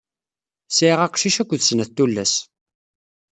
Sɛiq aqcic akked snat tullas.